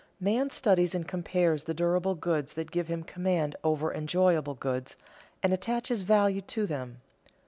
_Man studies and compares the durable goods that give him command over enjoyable goods, and attaches value to them.